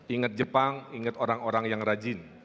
ingat jepang ingat orang orang yang rajin